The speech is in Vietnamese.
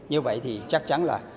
như vậy thì chắc chắn là